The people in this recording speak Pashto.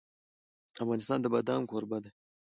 افغانستان د بادام کوربه دی.